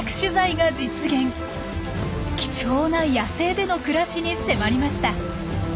貴重な野生での暮らしに迫りました。